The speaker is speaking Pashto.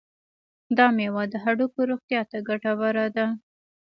دا میوه د هډوکو روغتیا ته ګټوره ده.